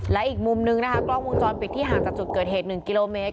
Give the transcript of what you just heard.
และอีกมุมนึงนะคะกล้องวงจรปิดที่ห่างจากจุดเกิดเหตุ๑กิโลเมตร